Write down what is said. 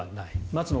松野